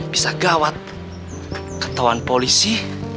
bisa gawat ketauan polisi